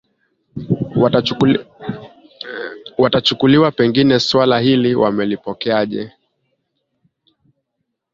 watachukuliwa pengine suala hili wamelipokeaje